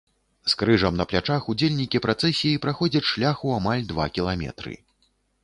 З крыжам на плячах удзельнікі працэсіі праходзяць шлях у амаль два кіламетры.